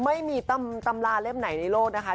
ไม่มีตำราเล่มไหนในโลกนะคะ